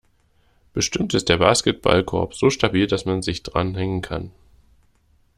Bestimmt ist der Basketballkorb so stabil, dass man sich dranhängen kann.